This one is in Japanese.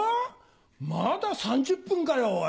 まだ３０分かよおい。